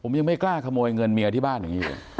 ผมยังไม่กล้าขโมยเงินเมียที่บ้านอยู่